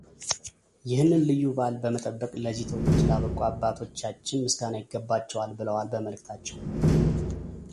ይህንን ልዩ በዓል በመጠበቅ ለዚህ ትውልድ ላበቁ አባቶቻችን ምስጋና ይገባቸዋል ብለዋል በመልዕክታቸው።